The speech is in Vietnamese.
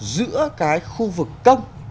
giữa cái khu vực công